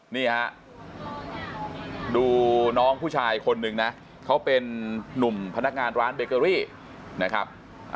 นี่ฮะดูน้องผู้ชายคนหนึ่งนะเขาเป็นนุ่มพนักงานร้านเบเกอรี่นะครับ